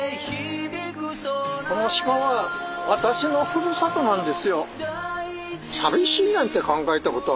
この島は私のふるさとなんですよ。